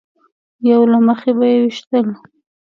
یو له مخې به یې ویشتل.